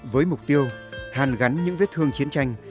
với mục tiêu hàn gắn những vết thương chiến tranh